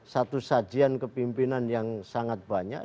satu sajian kepimpinan yang sangat banyak